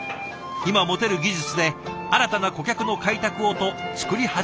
今持てる技術で新たな顧客の開拓をと作り始めたもの。